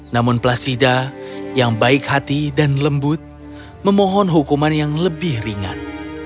namun placida yang baik hati dan lembut memohon hukuman yang lebih ringan